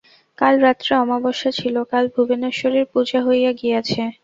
কাল রাত্রে অমাবস্যা ছিল, কাল ভুবনেশ্বরীর পূজা হইয়া গিয়াছে।